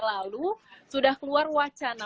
lalu sudah keluar wacana